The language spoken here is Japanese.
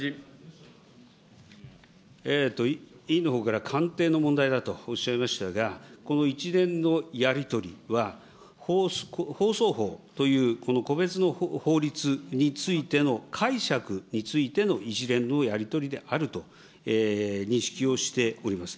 委員のほうから官邸の問題だとおっしゃいましたが、この一連のやり取りは、放送法というこの個別の法律についての解釈についての一連のやり取りであるというふうに認識をしております。